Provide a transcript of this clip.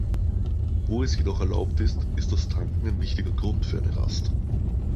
Wo es jedoch erlaubt ist, ist das Tanken ein wichtiger Grund für eine Rast.